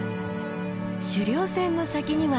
主稜線の先には。